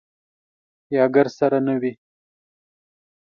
یا ګرد سره نه وي.